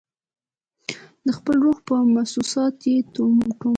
د خپل روح پر محسوساتو یې ټومبه